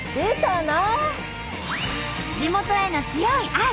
地元への強い愛。